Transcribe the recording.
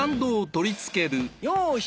よし！